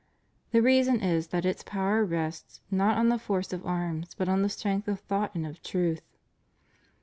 The reason is that its power rests not on the force of arms but on the strength of thought and of truth.